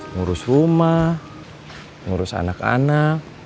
ngurus rumah ngurus anak anak